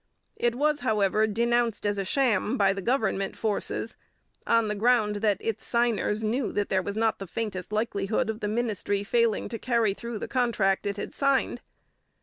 It was, however, denounced as a sham by the government forces, on the ground that its signers knew that there was not the faintest likelihood of the ministry failing to carry through the contract it had signed.